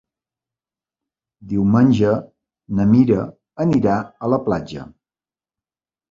Diumenge na Mira anirà a la platja.